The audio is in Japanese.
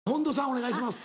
お願いします。